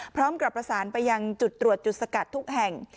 พร้อมกับประสานไปยังจุดตรวจจุดสกัดทุกแห่ง